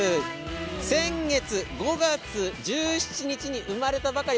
先月、５月１７日に生まれたばかり。